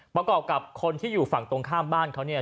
ประกอบกับคนที่อยู่ฝั่งตรงข้ามบ้านเขาเนี่ย